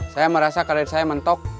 saya merasa karir saya mentok